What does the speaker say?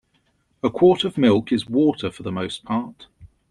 A quart of milk is water for the most part.